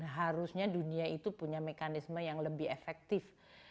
harusnya dunia itu punya mekanisme yang lebih efektif